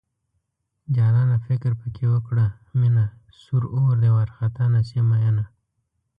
جانانه فکر پکې وکړه مينه سور اور دی وارخطا نشې مينه